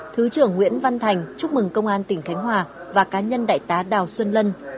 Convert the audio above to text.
thứ trưởng nguyễn văn thành chúc mừng công an tỉnh khánh hòa và cá nhân đại tá đào xuân lân